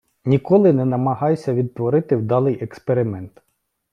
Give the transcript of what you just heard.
Ніколи не намагайся відтворити вдалий експеримент.